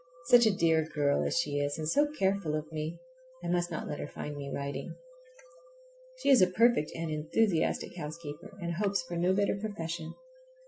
Such a dear girl as she is, and so careful of me! I must not let her find me writing. She is a perfect, and enthusiastic housekeeper, and hopes for no better profession.